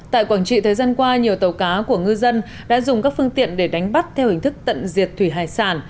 tại quảng trị thời gian qua nhiều tàu cá của ngư dân đã dùng các phương tiện để đánh bắt theo hình thức tận diệt thủy hải sản